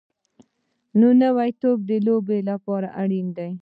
نوی توپ د لوبو لپاره اړین وي